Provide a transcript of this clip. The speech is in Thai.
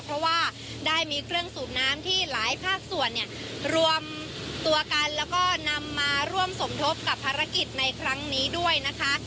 เพราะว่าได้มีเครื่องสูบน้ำที่หลายภาคส่วนเนี่ยรวมตัวกันแล้วก็นำมาร่วมสมทบกับภารกิจในครั้งนี้ด้วยนะคะ